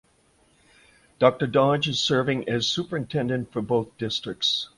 Doctor Dodge is serving as superintendent for both districts.